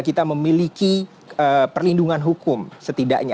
kita memiliki perlindungan hukum setidaknya